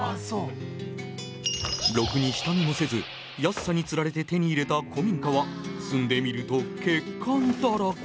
ろくに下見もせず安さにつられて手に入れた古民家は住んでみると欠陥だらけ。